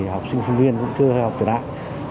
học sinh sinh viên cũng chưa học trở lại